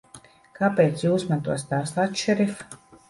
Kāpēc Jūs man to stāstāt, šerif?